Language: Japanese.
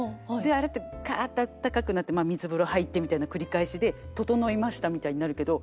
あれってカッとあったかくなって水風呂入ってみたいな繰り返しで整いましたみたいになるけど。